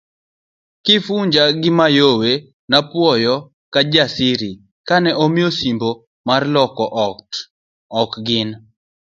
Kifuja gi Mayowe nopwoyo Kijsiri kane omiyo osimbo mar loko to ok gin'.